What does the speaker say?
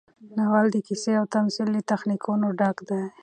ناول د قصې او تمثیل له تخنیکونو ډک دی.